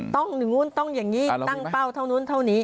อย่างนู้นต้องอย่างนี้ตั้งเป้าเท่านู้นเท่านี้